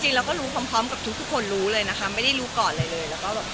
จริงเราก็รู้พร้อมกับทุกคนรู้เลยนะคะไม่ได้รู้ก่อนเลยเลย